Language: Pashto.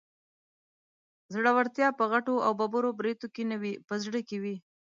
زړورتيا په غټو او ببرو برېتو کې نه وي، په زړه کې وي